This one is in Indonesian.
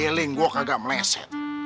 biling gue kagak meleset